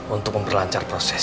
untuk memperlancar proses